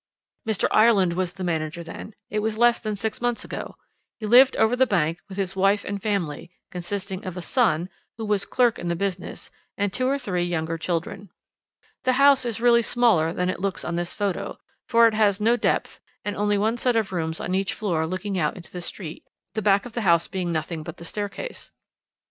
"Mr. Ireland was the manager then; it was less than six months ago. He lived over the bank, with his wife and family, consisting of a son, who was clerk in the business, and two or three younger children. The house is really smaller than it looks on this photo, for it has no depth, and only one set of rooms on each floor looking out into the street, the back of the house being nothing but the staircase.